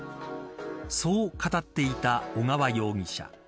そう語っていた小川容疑者。